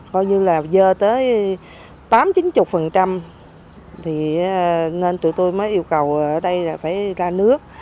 coi như là dơ tới tám chín mươi thì nên tụi tôi mới yêu cầu ở đây là phải ra nước